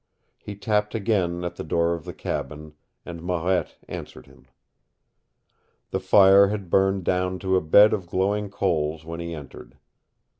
He tapped again at the door of the cabin, and Marette answered him. The fire had burned down to a bed of glowing coals when he entered.